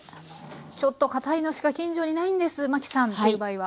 「ちょっとかたいのしか近所にないんですマキさん」という場合は？